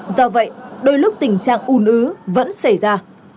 do vậy đôi lúc tình trạng ủn ứ vẫn xảy ra